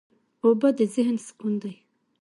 اوبه د ذهن سکون دي.